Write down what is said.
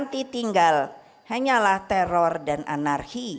nanti tinggal hanyalah teror dan anarki